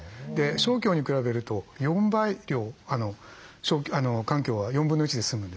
生姜に比べると４倍量乾姜は４分の１で済むんですね。